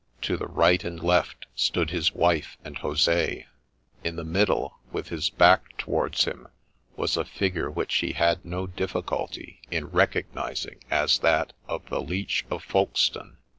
To the right and left stood his wife and Jose ; in the middle, with his back towarfls him, was a figure which he had no difficulty in recognizing as that of the Leech of Folkestone.